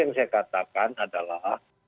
yang saya katakan adalah